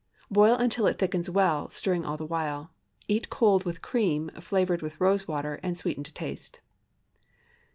Boil until it thickens well, stirring all the while. Eat cold with cream, flavored with rose water, and sweetened to taste.